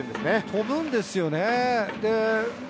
飛ぶんですよね。